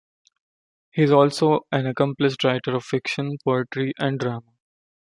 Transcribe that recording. He is also an accomplished writer of fiction, poetry, and drama.